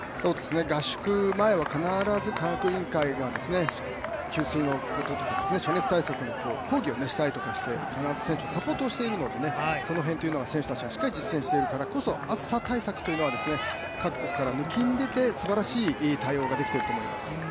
合宿前は必ず科学委員会が給水のこととか暑熱対策の講義をしたりして必ず選手をサポートしているので、その辺は選手たちがしっかり実践してるからこそ、暑さ対策は各国から抜きん出てすばらしい対応ができていると思います。